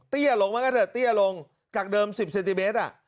เตี้ยลงมาก็เถอะเตี้ยลงจากเดิมสิบเซนติเมตรอ่ะ